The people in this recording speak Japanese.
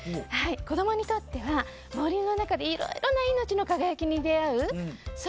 子供にとっては森の中でいろいろな命の輝きに出会う。